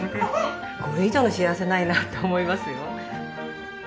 これ以上の幸せないなって思いますよ。